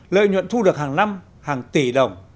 lợi nhuận thu được hàng năm hàng tỷ đồng